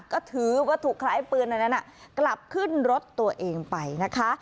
ก็ถือว่าถูกคล้ายปืนอันนั้นกลับขึ้นรถตัวเองไปนะคะ